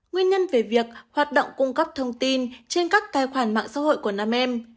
nguyên nhân về việc hoạt động cung cấp thông tin trên các tài khoản mạng xã hội của nam em